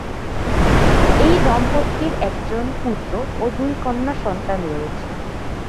এই দম্পতির একজন পুত্র ও দুই কন্যা সন্তান রয়েছে।